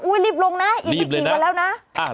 อุ๊ยรีบลงนะอีกปีกี่วันแล้วนะรีบเลยนะ